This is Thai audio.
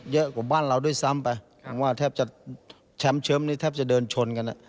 เยอะกว่าบ้านเราด้วยซ้ำไปแชมป์เชิมนี้แทบจะเดินชนกัน